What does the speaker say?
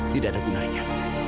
tidak ada gunanya